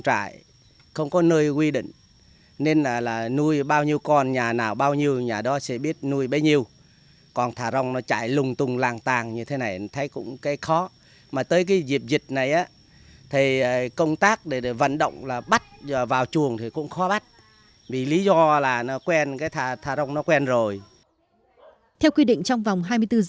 tại đây có một trăm linh người dân đồng bào dân tộc sinh sống